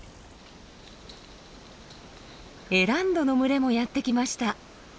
エランドの群れもやって来ました。